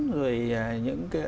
rồi những cái